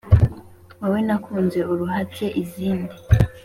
wowe nakunze uruhatse izindi